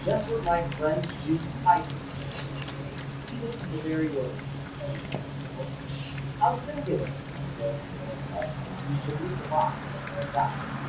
"Just what my friend the Duke of Highgate said the other day—even to the very words," exclaimed Dunstable. "How singular!" observed the baronet, as he produced a box and a pair of dice.